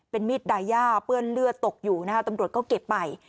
มีดดายาเปื้อนเลือดตกอยู่นะคะตำรวจก็เก็บไป